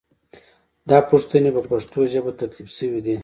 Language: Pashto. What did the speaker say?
دا پوښتنې په پښتو ژبه ترتیب شوې دي.